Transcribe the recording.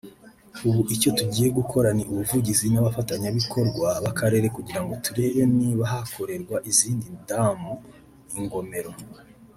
ubu icyo tugiye gukora ni ubuvugizi n’abafatanyabikorwa b’akarere kugira ngo turebe niba hakonerwa izindi damu (ingomero)